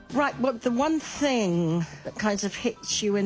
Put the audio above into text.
はい。